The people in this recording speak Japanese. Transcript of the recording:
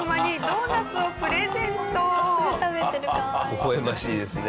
ほほ笑ましいですね。